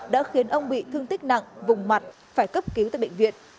đã khiến ông bị thương tích nặng vùng mặt phải cấp cứu tại bệnh viện